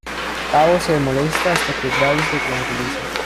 Paavo se molesta hasta que Davis lo tranquiliza.